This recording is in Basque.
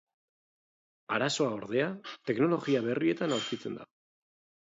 Arazoa, ordea, teknologia berrietan aurkitzen da.